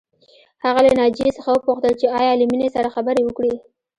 هغه له ناجیې څخه وپوښتل چې ایا له مينې سره خبرې وکړې